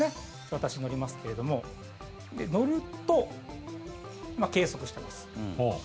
私、乗りますけれども乗ると、計測しています。